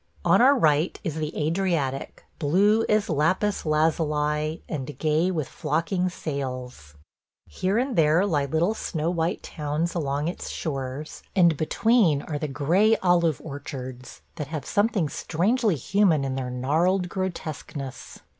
On our right is the Adriatic, blue as lapis lazuli and gay with flocking sails. Here and there lie little snow white towns along its shores, and between are the gray olive orchards, that have something strangely human in their gnarled grotesqueness.